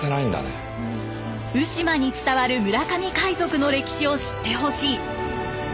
鵜島に伝わる村上海賊の歴史を知ってほしい。